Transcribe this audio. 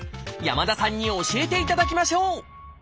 山田さんに教えていただきましょう！